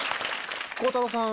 鋼太郎さん